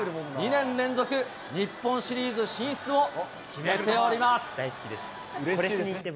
２年連続日本シリーズ進出を決めております。